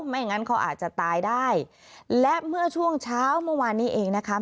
ไม่งั้นเขาอาจจะตายได้และเมื่อช่วงเช้าเมื่อวานนี้เองนะคะ